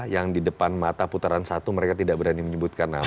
yang di depan mata putaran satu mereka tidak berani menyebutkan nama